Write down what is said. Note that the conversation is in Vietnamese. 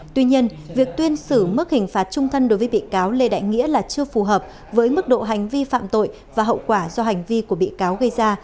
tuy nhiên việc tuyên xử mức hình phạt trung thân đối với bị cáo lê đại nghĩa là chưa phù hợp với mức độ hành vi phạm tội và hậu quả do hành vi của bị cáo gây ra